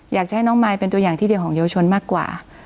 อยากจะให้น้องมายเป็นตัวอย่างที่เดียวของเยาวชนมากกว่า